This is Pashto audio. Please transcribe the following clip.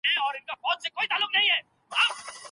د توليد کچه د سمې پلان جوړوني له لاري لوړېدای سي.